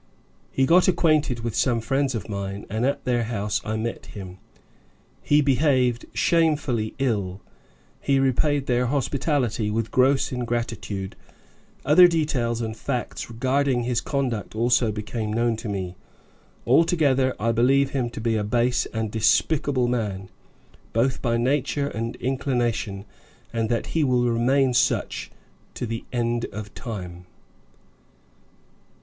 He got acquainted with some friends of mine, and at their house I met him. He behaved shamefully ill; he repaid their hospitality with gross ingratitude; other details and facts regarding his conduct also became known to me. Altogether I believe him to be a base and despicable man, both by nature and inclination, and that he will remain such to the end of time."